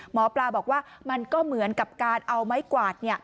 หมอปลาบอกว่ามันก็เหมือนกับการเอาไม้กวาด